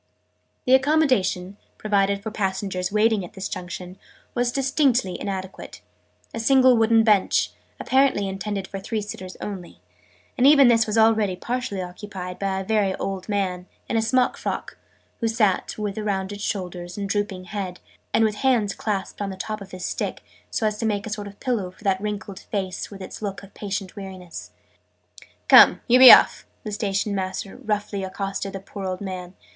The accommodation, provided for passengers waiting at this Junction, was distinctly inadequate a single wooden bench, apparently intended for three sitters only: and even this was already partially occupied by a very old man, in a smock frock, who sat, with rounded shoulders and drooping head, and with hands clasped on the top of his stick so as to make a sort of pillow for that wrinkled face with its look of patient weariness. "Come, you be off!" the Station master roughly accosted the poor old man.